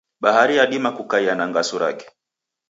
Bahari yadima kukaia na ngasu rake.